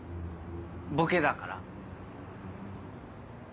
ボケだから？